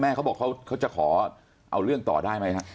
เขาบอกเขาจะขอเอาเรื่องต่อได้ไหมฮะ